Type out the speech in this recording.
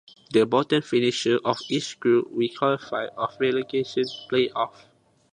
The bottom finishers of each group will qualify for the Relegation Play Off.